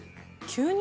急に？